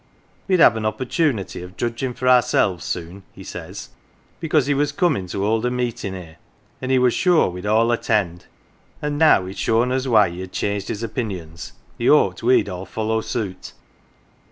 We'd have an opportunity of judging for ourselves soon, he says, because he was coining to hold a meetin' here, and he was sure we'd all attend, and now he'd shown us why he had changed his opinions he hoped we'd all follow suit.